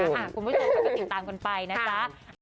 คุณผู้ชมค่ะก็ติดตามกันไปนะจ๊ะ